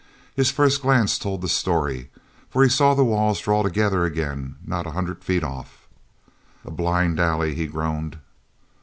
His first glance told the story, for he saw the walls draw together again not a hundred feet off. "A blind alley," he groaned.